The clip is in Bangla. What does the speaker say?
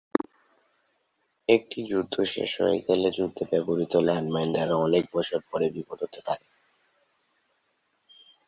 একটি যুদ্ধ শেষ হয়ে গেলে, যুদ্ধে ব্যবহৃত ল্যান্ড মাইন দ্বারা অনেক বছর পরে বিপদ হতে পারে।